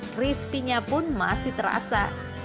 crispinya pun masih terasa